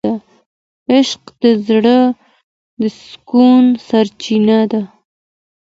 عشق د زړه د سکون سرچینه ده.